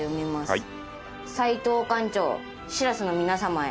はい。